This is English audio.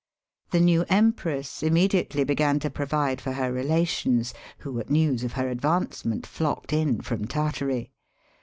The new Empress immediately began to provide for her relations, who at news of her advancement flocked in from Tartary.